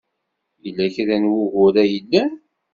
Yella kra n wugur ay yellan?